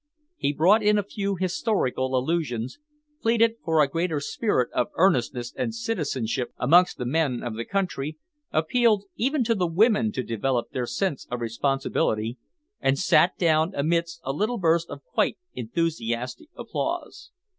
He brought in a few historical allusions, pleaded for a greater spirit of earnestness and citizenship amongst the men of the country, appealed even to the women to develop their sense of responsibility, and sat down amidst a little burst of quite enthusiastic applause.